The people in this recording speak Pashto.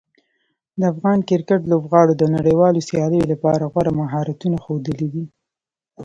د افغان کرکټ لوبغاړو د نړیوالو سیالیو لپاره غوره مهارتونه ښودلي دي.